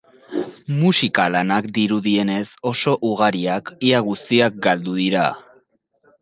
Musika-lanak, dirudienez oso ugariak, ia guztiak galdu dira.